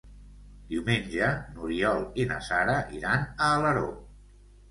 Diumenge n'Oriol i na Sara iran a Alaró.